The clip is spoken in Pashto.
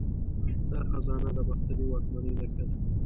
دا خزانه د باختري واکمنۍ نښه ده